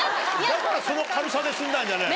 だからその軽さで済んだんじゃねえの？